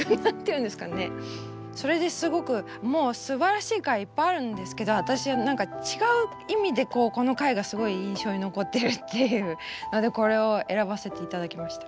それですごくもうすばらしい回いっぱいあるんですけど私は何か違う意味でこの回がすごい印象に残ってるっていうのでこれを選ばせて頂きました。